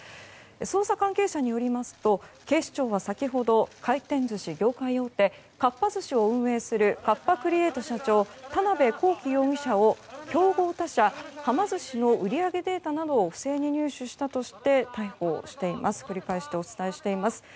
捜査関係者によりますと警視庁は先ほど回転寿司業界大手かっぱ寿司を運営するカッパ・クリエイト社長田邊公己容疑者を競合他社はま寿司の売り上げデータなどを不正に入手したとして逮捕しています。